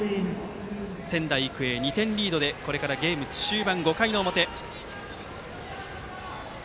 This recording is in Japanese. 仙台育英２点リードでこれからゲーム中盤、５回の表。